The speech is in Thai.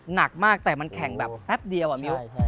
หนักมากแต่มันแข่งแบบแป๊บเดียวอะมิ้ว